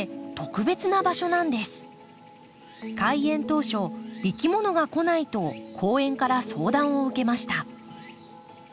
開園当初「いきものが来ない」と公園から相談を受けました。